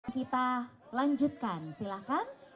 kita lanjutkan silahkan